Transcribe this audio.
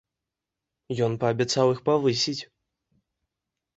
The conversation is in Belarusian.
Ён паабяцаў іх павысіць.